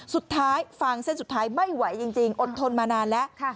ฟังเส้นสุดท้ายไม่ไหวจริงอดทนมานานแล้ว